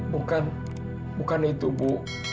bukan bukan itu bu